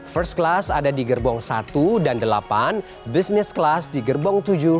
first class ada di gerbong satu dan delapan business class di gerbong tujuh